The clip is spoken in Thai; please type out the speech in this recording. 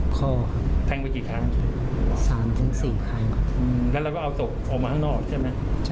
ขอครับ